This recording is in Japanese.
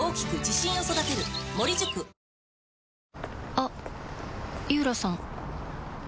あっ井浦さん